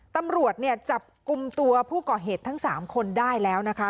ตำรวจเนี่ยจับกลุ่มตัวผู้ก่อเหตุทั้ง๓คนได้แล้วนะคะ